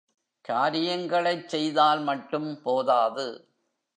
காரியங்களைச் செய்தால் மட்டும் போதாது.